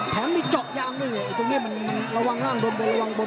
แถมมีเจาะยางด้วยตรงนี้มันระวังล่างโดนล่าง